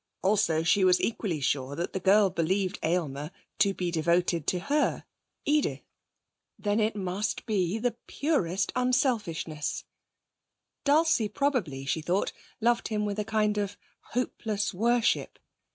Also, she was equally sure that the girl believed Aylmer to be devoted to her, Edith. Then it must be the purest unselfishness. Dulcie probably, she thought, loved him with a kind of hopeless worship.